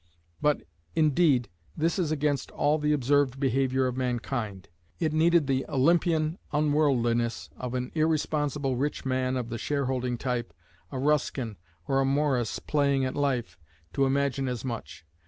But indeed this is against all the observed behaviour of mankind. It needed the Olympian unworldliness of an irresponsible rich man of the shareholding type, a Ruskin or a Morris playing at life, to imagine as much.